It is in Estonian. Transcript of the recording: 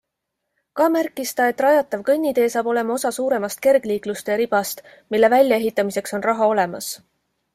Ka märkis ta, et rajatav kõnnitee saab olema osa suuremast kergliiklustee ribast, mille väljaehitamiseks on raha olemas.